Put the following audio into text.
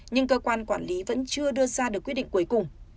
nhưng cơ quan quản lý vẫn chưa đưa ra được quyết định cuối cùng